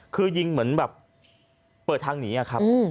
คือยิงเหมือนแบบเปิดทางหนีอะครับ